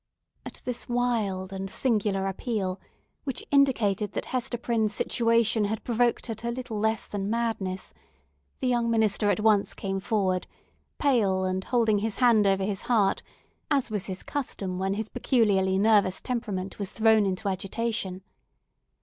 At this wild and singular appeal, which indicated that Hester Prynne's situation had provoked her to little less than madness, the young minister at once came forward, pale, and holding his hand over his heart, as was his custom whenever his peculiarly nervous temperament was thrown into agitation.